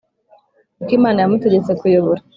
uko Imana yamutegetse kuyobora